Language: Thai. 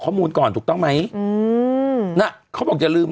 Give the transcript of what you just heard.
เป็นการกระตุ้นการไหลเวียนของเลือด